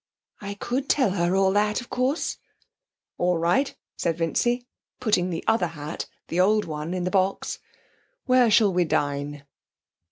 'I could tell her all that, of course.' 'All right,' said Vincy, putting the other hat the old one in the box.' Where shall we dine?'